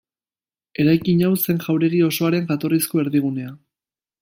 Eraikin hau zen jauregi osoaren jatorrizko erdigunea.